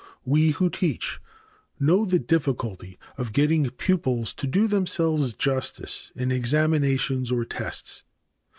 We who teach know the difficulty of getting pupils to do themselves justice in examinations or tests.